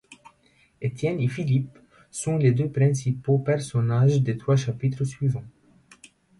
Étienne et Philippe sont les deux principaux personnages des trois chapitres suivants.